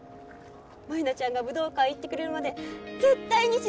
舞菜ちゃんが武道館いってくれるまで絶対に死なない！